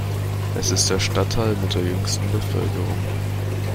Es ist der Stadtteil mit der jüngsten Bevölkerung.